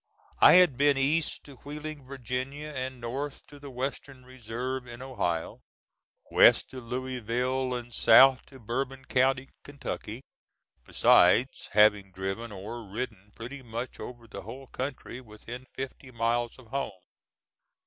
I had been east to Wheeling, Virginia, and north to the Western Reserve, in Ohio, west to Louisville, and south to Bourbon County, Kentucky, besides having driven or ridden pretty much over the whole country within fifty miles of home.